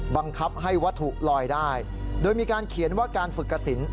บังคับให้วัตถุลอยได้โดยมีการเขียนว่าการฝึกกระสิน